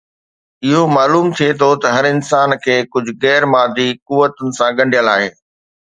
اهو معلوم ٿئي ٿو ته هر انسان کي ڪجهه غير مادي قوتن سان ڳنڍيل آهي